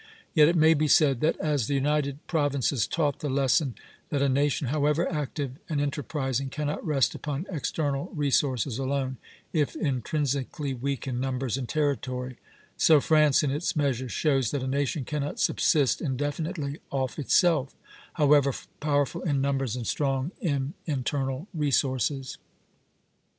Yet it may be said that as the United Provinces taught the lesson that a nation, however active and enterprising, cannot rest upon external resources alone, if intrinsically weak in numbers and territory, so France in its measure shows that a nation cannot subsist indefinitely off itself, however powerful in numbers and strong in internal resources.